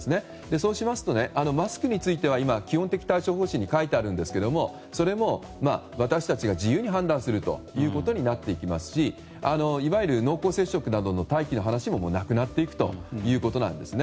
そうしますと、マスクについては今、基本的対処方針に書いてあるんですがそれも私たちが自由に判断するということになってきますしいわゆる濃厚接触などの待機の話もなくなっていくという話なんですね。